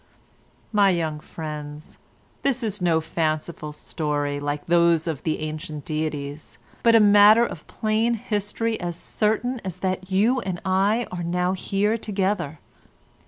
"My young friends, this is no fanciful story like those of the ancient deities, but a matter of plain history as certain as that you and I are now here together.